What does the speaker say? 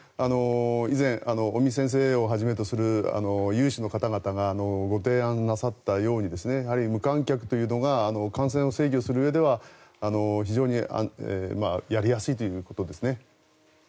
以前、尾身先生をはじめとする有志の方々がご提案なさったように無観客というのが感染を制御するうえでは非常にやりやすいということですね。